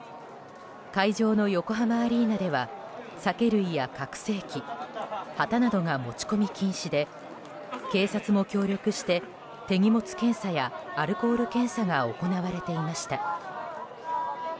会場の横浜アリーナでは酒類や拡声器旗などが持ち込み禁止で警察も協力して手荷物検査やアルコール検査が行われていました。